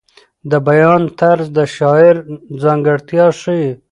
د بیان طرز د شاعر ځانګړتیا ښیي.